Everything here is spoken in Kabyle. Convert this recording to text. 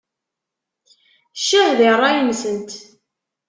Ccah di ṛṛay-nsent!